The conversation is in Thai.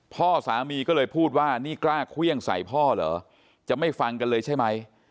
พ่อสามีก็เลยพูดว่านี่กล้าเครื่องใส่พ่อเหรอจะไม่ฟังกันเลยใช่ไหม